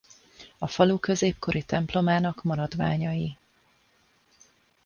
A falu középkori templomának maradványai.